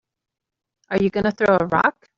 Are you gonna throw a rock?